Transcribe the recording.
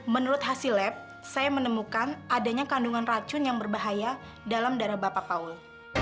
menurut hasil lab saya menemukan adanya kandungan racun yang berbahaya dalam darah bapak paul